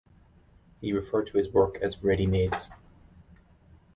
He referred to his work as "Readymades".